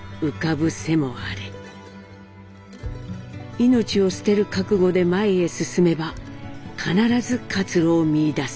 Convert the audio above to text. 命を捨てる覚悟で前へ進めば必ず活路を見いだせる。